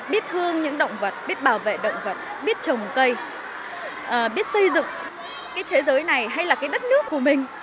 biết thương những động vật biết bảo vệ động vật biết trồng cây biết xây dựng cái thế giới này hay là cái đất nước của mình